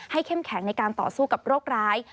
เข้มแข็งในการต่อสู้กับโรคร้าย